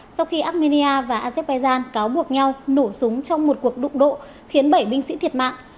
sau khi armenia và azerbaijan cáo buộc nhau nổ súng trong một cuộc đụng độ khiến bảy binh sĩ thiệt mạng